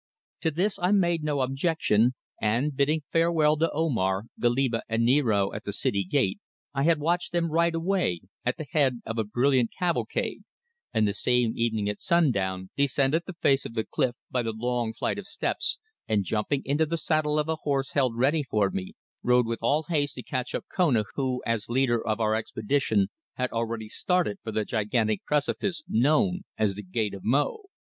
To this I made no objection, and bidding farewell to Omar, Goliba and Niaro at the city gate, I had watched them ride away at the head of a brilliant cavalcade, and the same evening at sundown descended the face of the cliff by the long flight of steps, and jumping into the saddle of a horse held ready for me, rode with all haste to catch up Kona who, as leader of our expedition, had already started for the gigantic precipice known as the Gate of Mo.